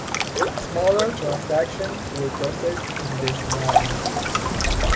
Smaller transactions were processed in Des Moines.